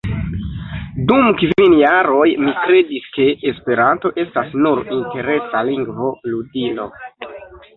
Dum kvin jaroj mi kredis, ke Esperanto estas nur interesa lingva ludilo.